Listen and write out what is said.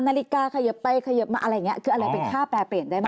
นาฬิกาเขยิบไปเขยิบมาอะไรอย่างนี้คืออะไรเป็นค่าแปรเปลี่ยนได้ไหม